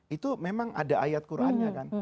itu memang ada ayat qurannya kan